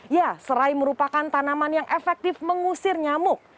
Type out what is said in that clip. ya serai merupakan tanaman yang efektif mengusir nyamuk